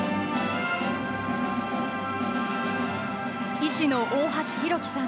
医師の大橋博樹さん。